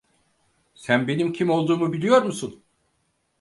Sen benim kim olduğumu biliyor musun?